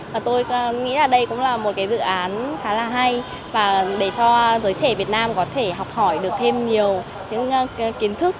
và tôi nghĩ là đây cũng là một dự án khá là hay và để cho giới trẻ việt nam có thể học hỏi được thêm nhiều những kiến thức